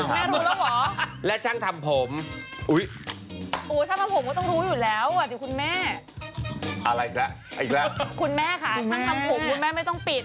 คุณแม่ค่ะช่างทำผมคุณแม่ไม่ต้องปิด